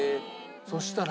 そしたら。